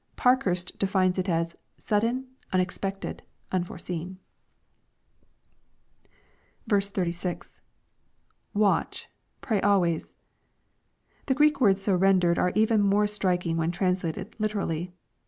Parkhui*st defines it as " sudden, unexpected, unforeseen." B6. — [Watch.,.pray always.] The Greek words so rendered are even more striking when translated Uterally.